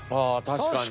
確かに。